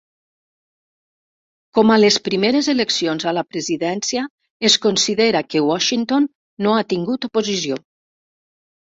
Com a les primeres eleccions a la presidència, es considera que Washington no ha tingut oposició.